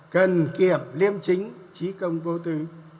cần kiểm liêm chính trí công vô tư